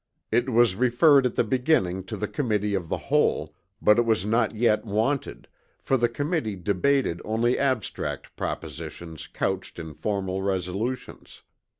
It was referred at the beginning to the Committee of the Whole; but it was not yet wanted, for the Committee debated only abstract propositions couched in formal resolutions.